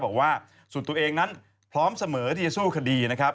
ออกมาจากสารแพ่งจังหวัดกาญจนบุรีนะครับ